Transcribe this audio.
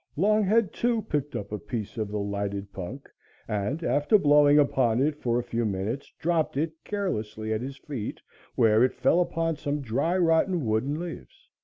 Longhead, too, picked up a piece of the lighted punk and, after blowing upon it for a few minutes, dropped it carelessly at his feet, where it fell upon some dry rotten wood and leaves.